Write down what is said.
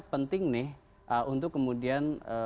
penting nih untuk kemudian